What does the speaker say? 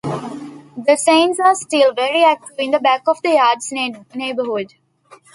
The Saints are still very active in the Back of the Yards neighborhood.